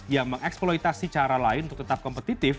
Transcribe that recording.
yang mengeksploitasi cara lain untuk tetap kompetitif